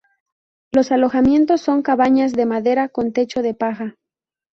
Los alojamientos son cabañas de madera con techo de paja.